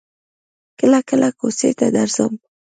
کله کله کوڅې ته درځم.